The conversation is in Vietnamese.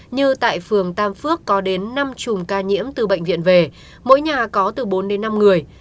như tại phường tam phước có đến năm chùm ca nhiễm từ bệnh viện về mỗi nhà có từ bốn đến năm người